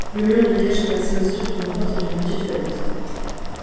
Le mur de cage est percé au sud d'une porte et d'une petite fenêtre.